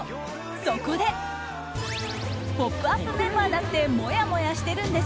そこで「ポップＵＰ！」メンバーだってもやもやしてるんです！